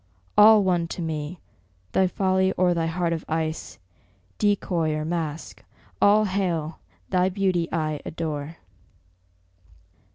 All one to me! thy folly or thy heart of ice, Decoy or mask, all hail! thy beauty I adore!